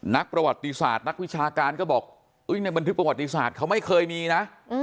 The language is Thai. นักประวัติศาสตร์นักวิชาการก็บอกในบันทึกประวัติศาสตร์เขาไม่เคยมีนะ